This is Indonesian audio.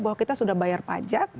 bahwa kita sudah bayar pajak